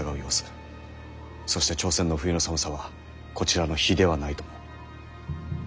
そして朝鮮の冬の寒さはこちらの比ではないとも。